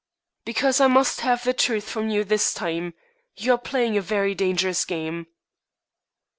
"Because I must have the truth from you this time. You are playing a very dangerous game."